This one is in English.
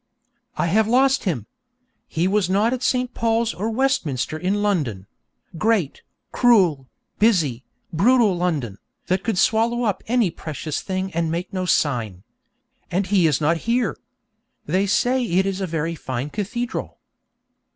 I have lost him! He was not at St. Paul's or Westminster in London great, cruel, busy, brutal London, that could swallow up any precious thing and make no sign. And he is not here! They say it is a very fine cathedral.